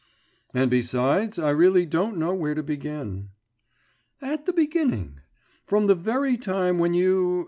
'And beside I really don't know where to begin.' 'At the beginning. From the very time when you ...